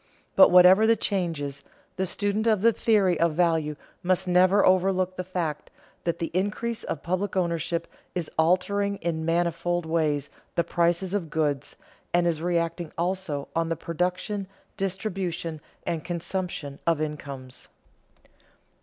But whatever the changes, the student of the theory of value must never overlook the fact that the increase of public ownership is altering in manifold ways the prices of goods, and is reacting also on the production, distribution, and consumption of incomes.